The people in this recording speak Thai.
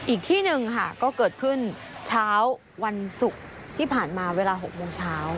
อีกที่หนึ่งค่ะก็เกิดขึ้นเช้าวันศุกร์ที่ผ่านมาเวลา๖โมงเช้า